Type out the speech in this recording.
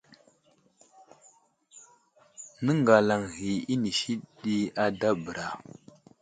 Nəŋgagalaŋ ghi inisi ada bəra .